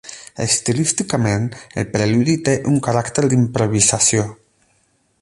Estilísticament, el preludi té un caràcter d'improvisació.